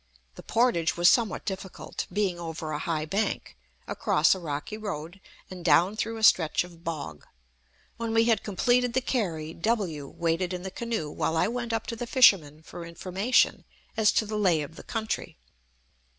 The portage was somewhat difficult, being over a high bank, across a rocky road, and down through a stretch of bog. When we had completed the carry, W waited in the canoe while I went up to the fishermen for information as to the lay of the country.